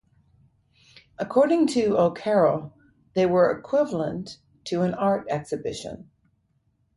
According to O'Carroll, they were equivalent to an art exhibition.